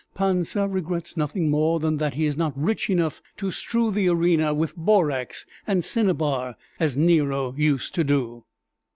Pansa regrets nothing more than that he is not rich enough to strew the arena with borax and cinnabar, as Nero used to do."